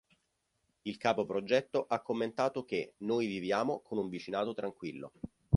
Il capo progetto ha commentato che "noi viviamo con un vicinato tranquillo".